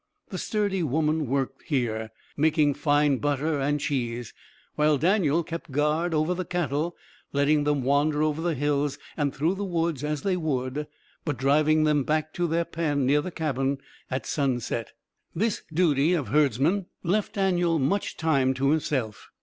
The sturdy woman worked here, making fine butter and cheese, while Daniel kept guard over the cattle, letting them wander over the hills and through the woods as they would, but driving them back to their pen near the cabin at sunset. This duty of herdsman left Daniel much time to himself.